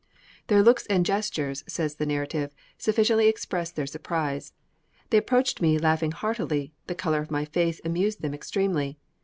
"Their looks and gestures," says the narrative, "sufficiently expressed their surprise. They approached me laughing heartily, the colour of my face amused them extremely.